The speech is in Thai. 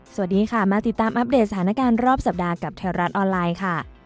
สวัสดีค่ะมาติดตามอัปเดตสถานการณ์รอบสัปดาห์กับแถวรัฐออนไลน์ค่ะ